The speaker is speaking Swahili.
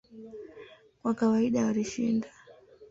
Kwa kawaida walishinda.